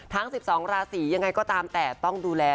ทั้ง๑๒ราศียังไงก็ตามแต่ต้องดูแล